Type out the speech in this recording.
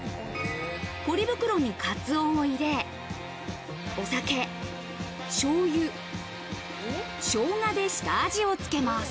ポリ袋にカツオを入れ、お酒、しょうゆ、生姜で下味をつけます。